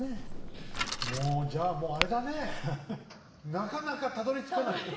なかなかたどりつかないね。